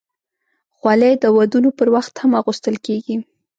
خولۍ د ودونو پر وخت هم اغوستل کېږي.